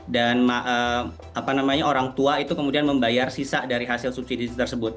dan orang tua itu kemudian membayar sisa dari hasil subsidi tersebut